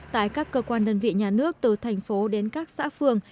tại các cơ quan đơn vị nhà nước từ thành phố đến các xã phường